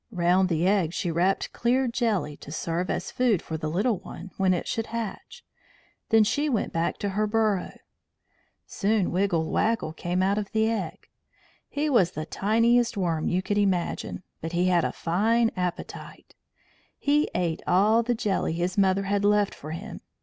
Round the egg she wrapped clear jelly to serve as food for the little one when it should hatch. Then she went back to her burrow. Soon Wiggle Waggle came out of the egg. He was the tiniest worm you could imagine, but he had a fine appetite; he ate all the jelly his mother had left for him.